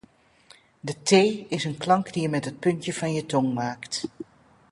De T is een klank die je met het puntje van je tong maakt.